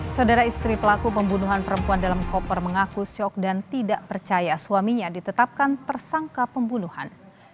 saudara istri pelaku pembunuhan perempuan dalam koper mengaku syok dan tidak percaya suaminya ditetapkan tersangka pembunuhan